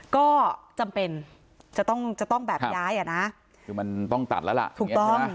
ก็จำเป็นจะต้องจะต้องแบบย้ายอ่ะนะคือมันต้องตัดแล้วล่ะถูกต้องไหม